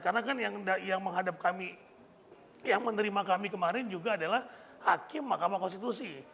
karena kan yang menghadap kami yang menerima kami kemarin juga adalah hakim mahkamah konstitusi